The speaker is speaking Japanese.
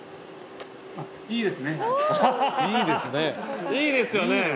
いいですよね！